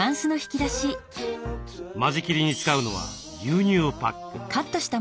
間仕切りに使うのは牛乳パック。